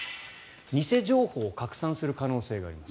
偽情報を拡散する可能性があります。